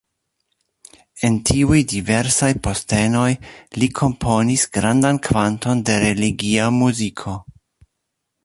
En tiuj diversaj postenoj li komponis grandan kvanton de religia muziko.